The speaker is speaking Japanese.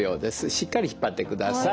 しっかり引っ張ってください。